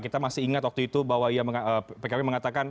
kita masih ingat waktu itu bahwa pkb mengatakan